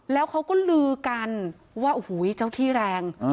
แล้วเขาก็ลือกันว่าโอ้โหเจ้าที่แรง